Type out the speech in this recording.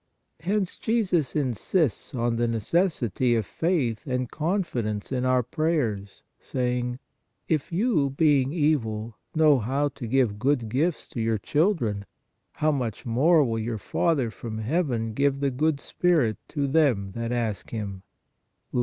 Hence Jesus insists on the necessity of faith and confi dence in our prayers, saying: "If you, being evil, know how to give good gifts to your children, how much more will your Father from heaven give the good Spirit to them that ask Him?